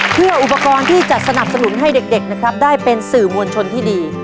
เพื่ออุปกรณ์ที่จะสนับสนุนให้เด็กนะครับได้เป็นสื่อมวลชนที่ดี